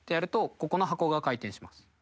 ここの箱が回転します。